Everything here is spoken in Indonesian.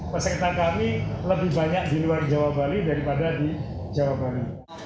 peserta kami lebih banyak di luar jawa bali daripada di jawa bali